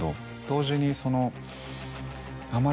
同時にその。